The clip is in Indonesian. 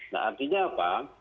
nah artinya apa